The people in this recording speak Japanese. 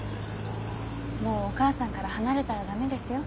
もうお母さんから離れたらダメですよ。